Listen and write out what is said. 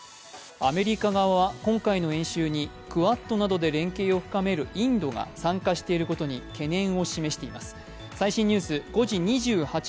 アメリカ側は今回の演習に、クアッドなどで連携を深めるインドが参加していることに懸念を示しています。